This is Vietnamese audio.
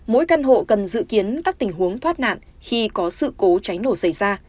mỗi căn hộ cần dự kiến các tình huống thoát nạn khi có sự cố cháy nổ xảy ra